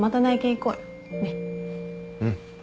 うん。